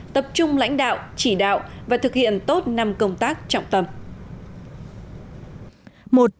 tập trung lãnh đạo chỉ đạo và thực hiện tốt năm công tác trọng tâm